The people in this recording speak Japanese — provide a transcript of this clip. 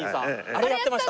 あれやってました。